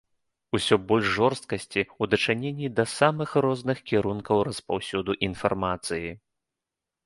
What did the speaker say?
Усё больш жорсткасці ў дачыненні да самых розных кірункаў распаўсюду інфармацыі.